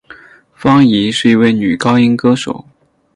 方颖是一位女高音歌手。